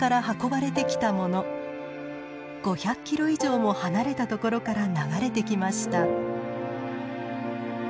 ５００キロ以上も離れたところから流れてきました。